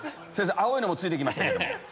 青いのもついて来ました。